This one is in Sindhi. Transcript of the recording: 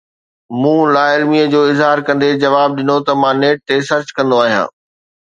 مون لاعلمي جو اظهار ڪندي جواب ڏنو ته مان نيٽ تي سرچ ڪندو آهيان.